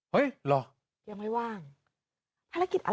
เหรอยังไม่ว่างภารกิจอะไร